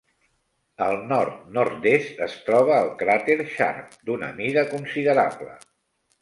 Al nord-nord-est es troba el cràter Sharp d'una mida considerable.